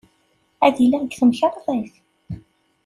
Ad iliɣ deg temkarḍit.